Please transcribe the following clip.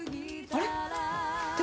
あれ？